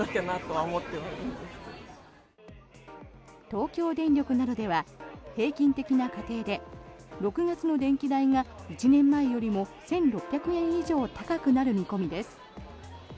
東京電力などでは平均的な家庭で６月の電気代が１年前よりも１６００円以上高くなる見込みです。